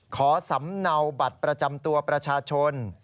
ขอสำเนาบัตรประจำตัวประชาชน